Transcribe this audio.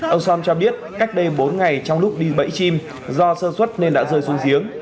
ông som cho biết cách đây bốn ngày trong lúc đi bẫy chim do sơ xuất nên đã rơi xuống giếng